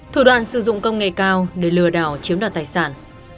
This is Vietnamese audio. thủ đoàn sử dụng công nghệ cao để lừa đảo chiếm đoàn tài sản